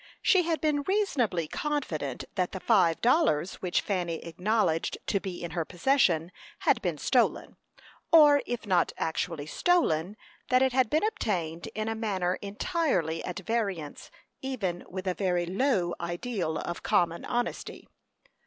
She had been reasonably confident that the five dollars, which Fanny acknowledged to be in her possession, had been stolen, or, if not actually stolen, that it had been obtained in a manner entirely at variance even with a very low ideal of common honesty.